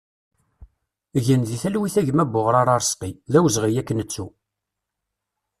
Gen di talwit a gma Buɣrara Arezqi, d awezɣi ad k-nettu!